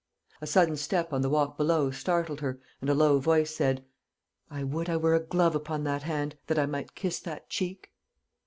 A sudden step on the walk below startled her, and a low voice said, "I would I were a glove upon that hand, that I might kiss that cheek."